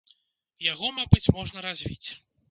Яго, мабыць, можна развіць.